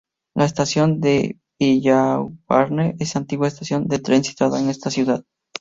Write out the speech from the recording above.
La Estación de Villeurbanne es una antigua estación de tren situada en esta ciudad.